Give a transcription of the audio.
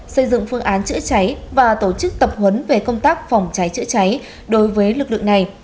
xây dựng phương án chữa cháy và tổ chức tập huấn về công tác phòng cháy chữa cháy đối với lực lượng này